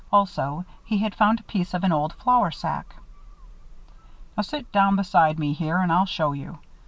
Also, he had found a piece of an old flour sack. "Now, sit down aside me here and I'll show you.